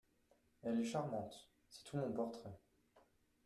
Elle est charmante… c’est tout mon portrait…